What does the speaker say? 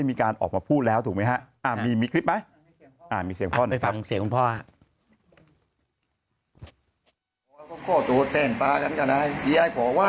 พ่อบอกว่าทางน้องเนี่ยคือตอนนี้น้องยึดคุณพ่ออย่างเดี๋ยวเท่านั้นว่าคนละเรื่องแล้ว